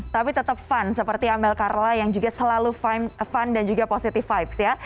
tapi tetap fun seperti amel carla yang juga selalu fun dan juga positive vibes ya